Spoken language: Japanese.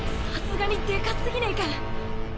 さすがにでか過ぎねえか。